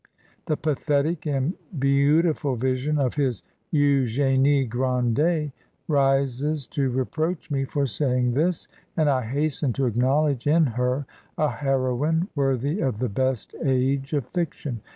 The pathetic and beautiful vision of his Eugenie Grandet rises to reproach me for saying this, and I hasten to acknowledge in her a heroine worthy of the best age of fiction.